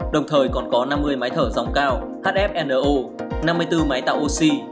đồng thời còn có năm mươi máy thở dòng cao hfno năm mươi bốn máy tạo oxy